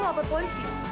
kalian mau lupa polisi